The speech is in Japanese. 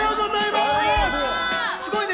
すごいね。